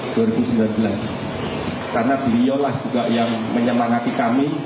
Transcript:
karena beliolah juga yang menyemangati kami